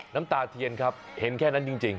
น้ำตาเทียนครับเห็นแค่นั้นจริง